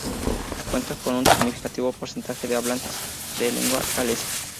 Cuenta con un significativo porcentaje de hablantes de lengua galesa.